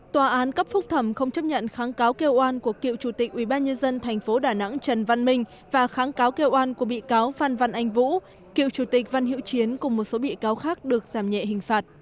tòa án cấp phúc thẩm không chấp nhận kháng cáo kêu oan của cựu chủ tịch ubnd tp đà nẵng trần văn minh và kháng cáo kêu oan của bị cáo phan văn anh vũ cựu chủ tịch văn hiễu chiến cùng một số bị cáo khác được giảm nhẹ hình phạt